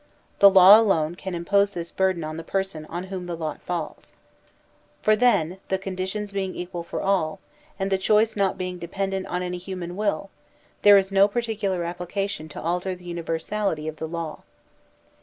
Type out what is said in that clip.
The law alone can impose this burden on the person upon whom the lot falls. For then, the conditions being equal for all, and the choice not being dependent on any human will, there is no particular application to alter the universality of the law.